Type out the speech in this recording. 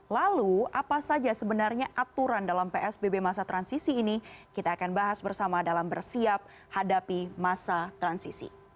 lalu apa saja sebenarnya aturan dalam psbb masa transisi ini kita akan bahas bersama dalam bersiap hadapi masa transisi